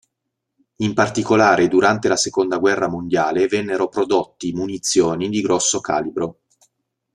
In particolare durante la seconda guerra mondiale vennero prodotti munizioni di grosso calibro.